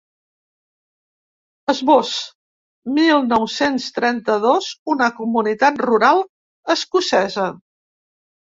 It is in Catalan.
Esbós: mil nou-cents trenta-dos, una comunitat rural escocesa.